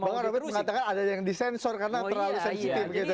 bang robert mengatakan ada yang disensor karena terlalu sensitif begitu